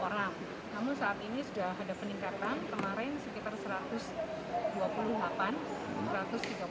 namun saat ini sudah ada peningkatan kemarin sekitar satu ratus dua puluh delapan satu ratus tiga puluh an